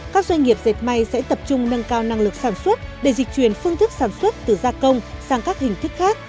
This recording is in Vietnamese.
các doanh nghiệp dệt may sẽ tập trung nâng cao năng lực sản xuất để dịch chuyển phương thức sản xuất từ gia công sang các hình thức khác